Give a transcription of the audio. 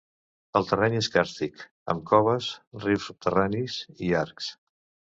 El terreny és càrstic, amb coves, rius subterranis i arcs.